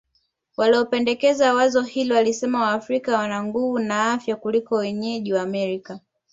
Waliopendekeza wazo hili walisema Waafrika wana nguvu na afya kuliko wenyeji wa Amerika